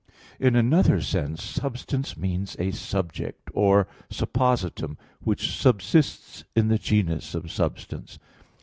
In another sense substance means a subject or suppositum, which subsists in the genus of substance.